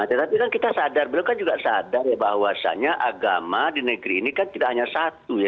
tetapi kan kita sadar beliau kan juga sadar ya bahwasannya agama di negeri ini kan tidak hanya satu ya